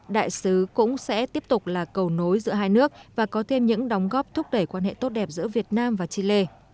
đại sứ cũng sẽ tiếp tục là cầu nối giữa hai nước và có thêm những đóng góp thúc đẩy quan hệ tốt đẹp giữa việt nam và chile